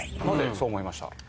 なぜそう思いました？